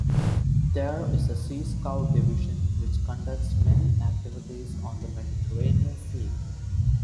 There is a Sea Scout division which conducts many activities on the Mediterranean Sea.